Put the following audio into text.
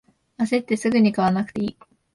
あせってすぐに買わなくていい